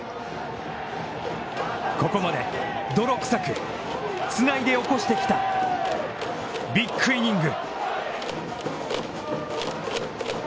ここまで、泥くさくつないで起こしてきたビッグイニング。